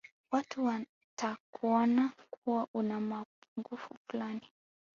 watu watakuona kuwa una mapungufu fulani